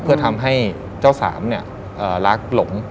เพื่อทำให้เจ้าสามรักหลง